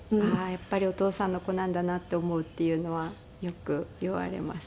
やっぱりお父さんの子なんだなって思う」っていうのはよく言われます。